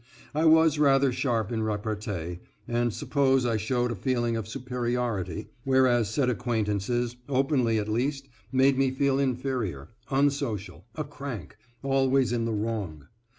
I was rather sharp in repartee, and suppose I showed a feeling of superiority, whereas said acquaintances, openly at least, made me feel inferior, unsocial, a crank always in the wrong.